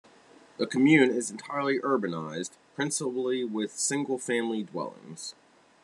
The commune is entirely urbanized, principally with single-family dwellings.